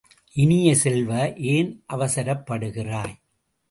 இனிய செல்வ, ஏன் அவசரப்படுகிறாய்?